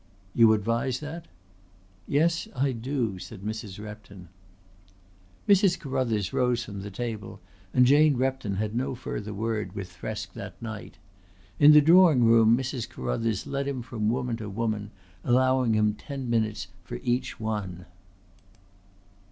"You advise that?" "Yes, I do," said Mrs. Repton. Mrs. Carruthers rose from the table and Jane Repton had no further word with Thresk that night. In the drawing room Mrs. Carruthers led him from woman to woman, allowing him ten minutes for each one.